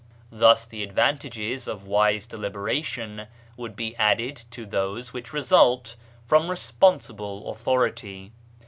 Thus the advantages of wise deliberation would be added to those which result from responsible authority.